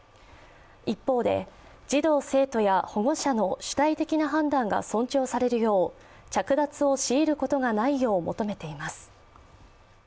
一方で、児童生徒や保護者の主体的な判断が尊重されるよう着脱を強いることがないよう求めています。